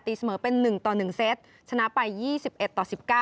เสมอเป็น๑ต่อ๑เซตชนะไป๒๑ต่อ๑๙